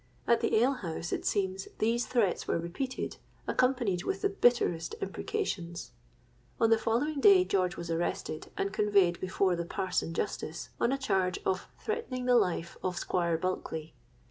At the ale house, it seems, these threats were repeated, accompanied with the bitterest imprecations. On the following day George was arrested, and conveyed before the parson justice, on a charge of threatening the life of Squire Bulkeley.